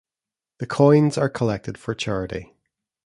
The coins are collected for charity.